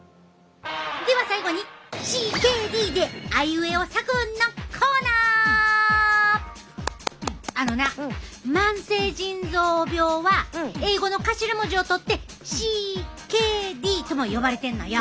では最後にあのな慢性腎臓病は英語の頭文字を取ってＣＫＤとも呼ばれてんのよ。